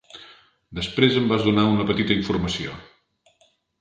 Després em vas donar una petita informació.